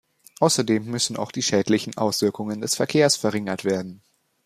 Außerdem müssen auch die schädlichen Auswirkungen des Verkehrs verringert werden.